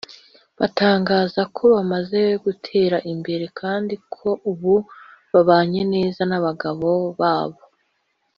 batangaza ko bamaze gutera imbere kandi ko ubu babanye neza n’abagabo babo